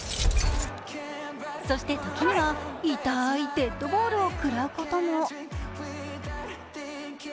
そして時には、痛いデッドボールをくらうことも。